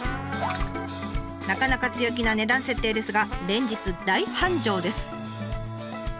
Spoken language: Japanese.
なかなか強気な値段設定ですが連日大繁盛です。